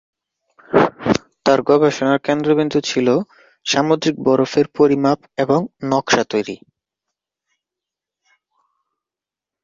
তাঁর গবেষণার কেন্দ্রবিন্দু ছিল সামুদ্রিক বরফের পরিমাপ এবং নকশা তৈরি।